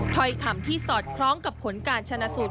ถ้อยคำที่สอดคล้องกับผลการชนะสูตร